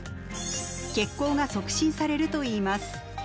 血行が促進されるといいます。